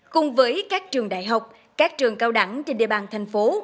cùng với các trường đại học các trường cao đẳng trên địa bàn thành phố